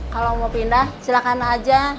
kalau mau pindah silahkan aja